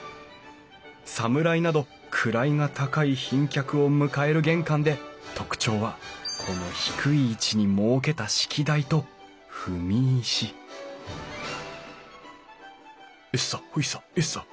侍など位が高い賓客を迎える玄関で特徴はこの低い位置に設けた式台と踏み石エッサホイサエッサホイサ。